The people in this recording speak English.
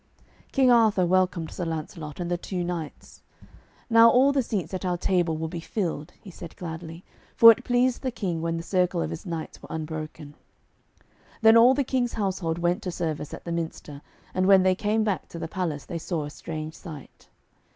King Arthur welcomed Sir Lancelot and the two knights. 'Now all the seats at our table will be filled,' he said gladly. For it pleased the King when the circle of his knights was unbroken. Then all the King's household went to service at the minster, and when they came back to the palace they saw a strange sight.